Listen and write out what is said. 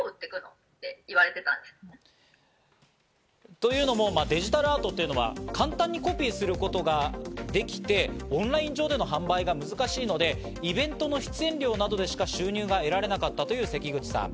というのもデジタルアートっていうのは簡単にコピーすることができて、オンライン上での販売が難しいので、イベントの出演料などでしか収入が得られなかったという、せきぐちさん。